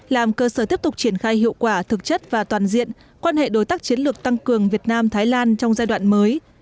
làm cơ sở tiếp tục triển khai hiệu quả thực chất và toàn diện quan hệ đối tác chiến lược tăng cường việt nam thái lan trong giai đoạn mới